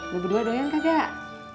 lo berdua doyan kagak